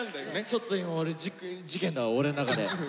ちょっと俺今事件だわ俺の中で。